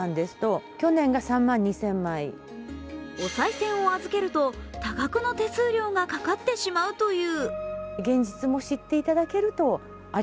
おさい銭を預けると多額の手数料がかかってしまうという。